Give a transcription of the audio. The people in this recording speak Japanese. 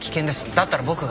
だったら僕が。